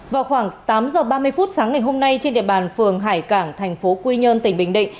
vào khoảng tám h ba mươi phút sáng ngày hôm nay trên địa bàn phường hải cảng thành phố quy nhơn tỉnh bình định